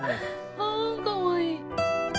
ああかわいい。